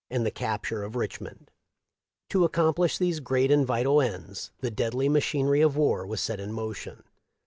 the capture of Richmond. To accomplish these great and vital ends the deadly machinery of war was set in motion.